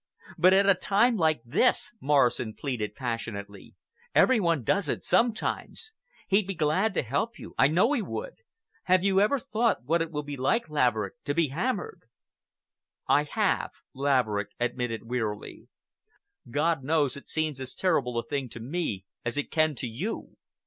"But at a time like this," Morrison pleaded passionately. "Every one does it sometimes. He'd be glad to help you. I know he would. Have you ever thought what it will be like, Laverick, to be hammered?" "I have," Laverick admitted wearily. "God knows it seems as terrible a thing to me as it can to you!